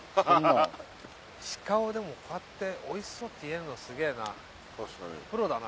鹿をでもこうやっておいしそうって言えるのすげえな。